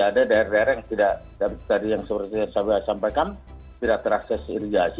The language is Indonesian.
ada daerah daerah yang tidak tadi yang seperti saya sampaikan tidak terakses irigasi